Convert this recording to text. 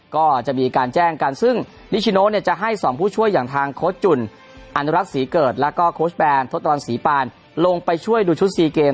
โค้ชแบรนด์ทศตรวรรณศรีปานลงไปช่วยดูชุดสี่เกม